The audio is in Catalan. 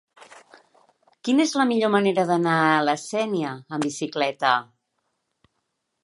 Quina és la millor manera d'anar a la Sénia amb bicicleta?